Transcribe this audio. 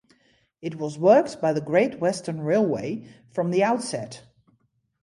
It was worked by the Great Western Railway from the outset.